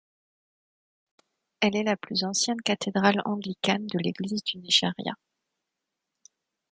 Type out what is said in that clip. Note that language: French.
Elle est la plus ancienne cathédrale anglicane de l'Église du Nigeria.